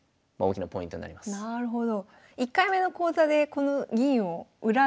なるほど。